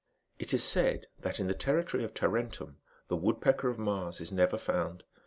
It is said that in the territory of Tarentum, the woodpeck( of Mars is never found.